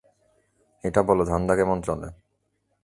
এইটা বলো, ধান্ধা কেমন চলে?